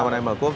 dán đi sơn đây